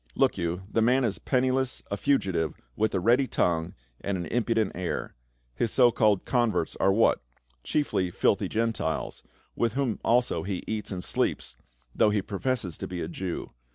Look you, the man is penniless, a fugitive, with a ready tongue and an impu dent air. His so called converts are what ? Chicfl)' filthy Gentiles ; with whom also he eats and sleeps, though he professes to be a Jew.